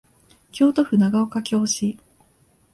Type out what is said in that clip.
京都府長岡京市